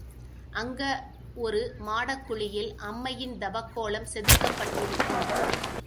அங்க ஒரு மாடக்குழியில் அம்மையின் தவக்கோலம் செதுக்கப்பட்டிருக்கும்.